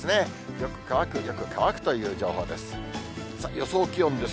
よく乾く、よく乾くという情報です。